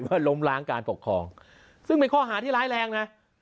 ว่าแล้วล้มล้างการปกครองซึ่งมีข้อหาที่ร้ายแรงนะ